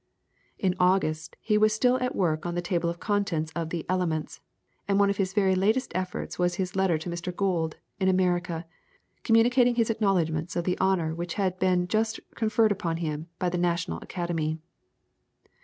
In August he was still at work on the table of contents of the "Elements," and one of his very latest efforts was his letter to Mr. Gould, in America, communicating his acknowledgements of the honour which had been just conferred upon him by the National Academy.